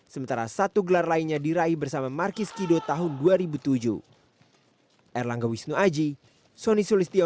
sementara satu gelar lainnya diraih bersama markis kido tahun dua ribu tujuh